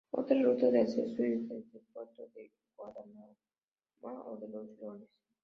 Otra ruta de acceso es desde el puerto de Guadarrama o de los Leones.